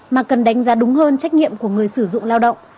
mà cần đánh giá đúng hơn trách nhiệm của người sử dụng lao động